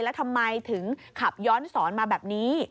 แล้วทำไมถึงขับย้อนสอนมาแบบนี้